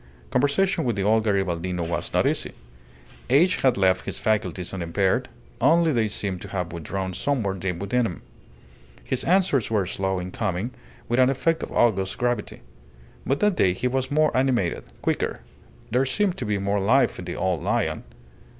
Conversation with the old Garibaldino was not easy. Age had left his faculties unimpaired, only they seemed to have withdrawn somewhere deep within him. His answers were slow in coming, with an effect of august gravity. But that day he was more animated, quicker; there seemed to be more life in the old lion.